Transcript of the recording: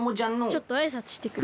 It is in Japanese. ちょっとあいさつしてくる。